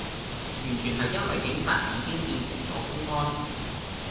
完全係因為警察已經變成左公安